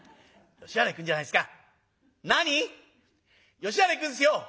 「吉原行くんすよ！」。